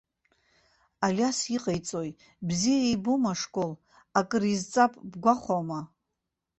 Алиас иҟаиҵои, бзиа ибома ашкол, акыр изҵап бгәахәуама?